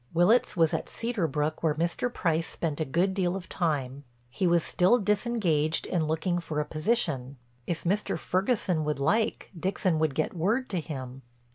Willitts was at Cedar Brook where Mr. Price spent a good deal of time; he was still disengaged and looking for a position, if Mr. Ferguson would like Dixon would get word to him.